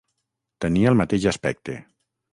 Tenia el mateix aspecte.